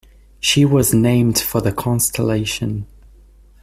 She was named for the constellation.